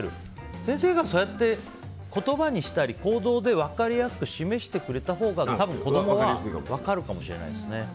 先生がそうやって言葉にして行動で分かりやすく示してくれたほうが多分、子供は分かるかもしれないですね。